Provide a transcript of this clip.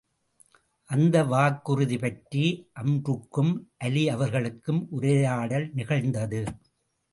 அந்த வாக்குறுதி பற்றி அம்ருக்கும், அலி அவர்களுக்கும் உரையாடல் நிகழ்ந்தது.